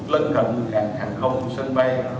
lên cận hàng không sân bay